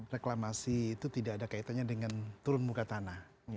reklamasi itu tidak ada kaitannya dengan turun muka tanah